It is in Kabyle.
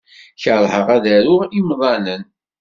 Keṛheɣ ad aruɣ imḍanen.